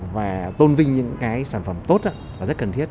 và tôn vinh những sản phẩm tốt và rất cần thiết